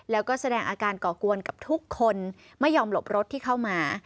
แล้วก็แสดงอาการก่อกวนกับทุกคนไม่ยอมหลบรถที่เข้ามา